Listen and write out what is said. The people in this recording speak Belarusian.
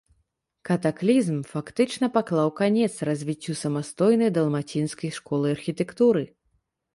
Катаклізм фактычна паклаў канец развіццю самастойнай далмацінскай школы архітэктуры.